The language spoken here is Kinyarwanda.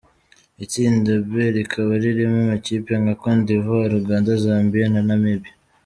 Itsinda B rikaba ririmo amakipe nka: Cote d’Ivoire, Uganda, Zambie na Namibie.